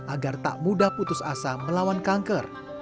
agar tak mudah putus asa melawan kanker